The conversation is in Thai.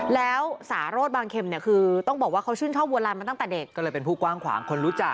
แล้วสารสบางเข็มเนี่ยคือต้องบอกว่าเขาชื่นชอบบัวลันมาตั้งแต่เด็กก็เลยเป็นผู้กว้างขวางคนรู้จัก